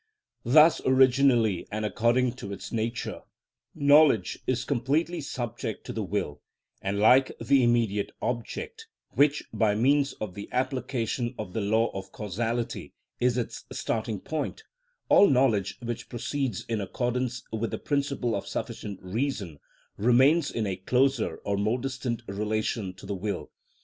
Thus originally and according to its nature, knowledge is completely subject to the will, and, like the immediate object, which, by means of the application of the law of causality, is its starting point, all knowledge which proceeds in accordance with the principle of sufficient reason remains in a closer or more distant relation to the will.